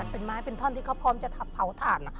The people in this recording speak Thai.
เป็นไม้เป็นท่อนที่เขาพร้อมจะเผาถ่าน